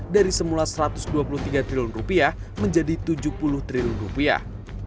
dari semula satu ratus dua puluh tiga triliun rupiah menjadi tujuh puluh triliun rupiah